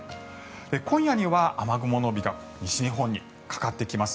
今夜には雨雲の帯が西日本にかかってきます。